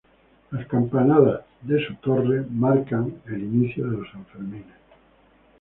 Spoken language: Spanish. Las campanadas de su torre marcan el inicio de los Sanfermines.